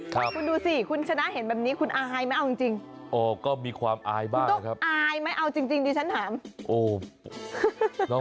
คุณดูสิคุณชนะคุณอายมั้ยเอาจริงจริง